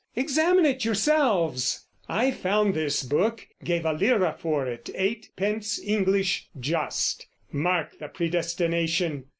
Examine it yourselves! I found this book, Gave a lira for it, eightpence English just, (Mark the predestination!)